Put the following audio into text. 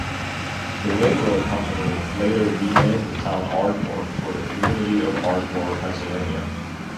The railroad company later renamed the town Ardmore, for the community of Ardmore, Pennsylvania.